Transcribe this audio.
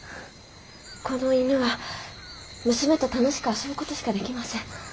この犬は娘と楽しく遊ぶ事しかできません。